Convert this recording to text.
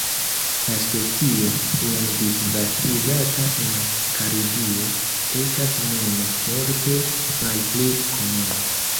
La specio, iam disvastigata en Karibio, estas nune multe malpli komuna.